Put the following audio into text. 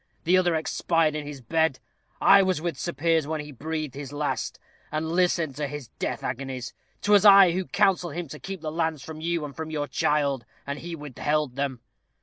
The other expired in his bed. I was with Sir Piers when he breathed his last, and listened to his death agonies. 'Twas I who counselled him to keep the lands from you and from your child, and he withheld them.